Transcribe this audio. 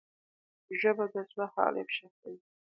ژبه د زړه حال افشا کوي